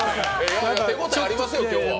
手応えありますよ、今日は。